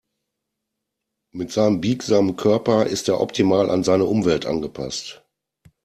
Mit seinem biegsamen Körper ist er optimal an seine Umwelt angepasst.